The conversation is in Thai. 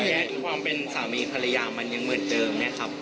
พี่ทำยังความเป็นสามีภรรยามันนึงมืดเดิมนะครับ